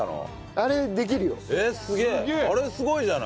あれすごいじゃない。